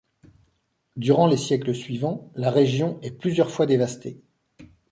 Durant les siècles suivants, la région est plusieurs fois dévastée.